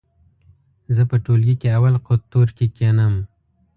زه په ټولګي کې اول قطور کې کېنم.